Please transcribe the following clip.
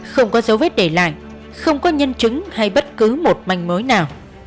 không có dấu vết để lại không có nhân chứng hay bất cứ một manh mối nào